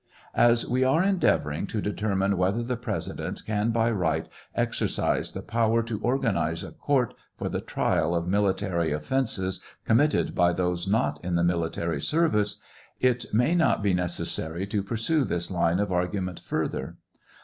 As we are endeavoring to determine whether the President can by right 726 TRIAL OP HENRY WIKZ. exercise the power to organize a court for the trial of military offences committer by those not in the military service, it may not be necessary to pursue this lin of argument further.